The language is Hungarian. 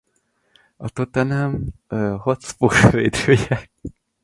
A Tottenham Hotspur védője.